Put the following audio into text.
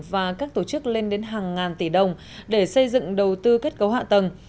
và các tổ chức lên đến hàng ngàn tỷ đồng để xây dựng đầu tư kết cấu hạ tầng